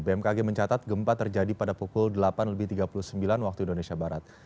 bmkg mencatat gempa terjadi pada pukul delapan lebih tiga puluh sembilan waktu indonesia barat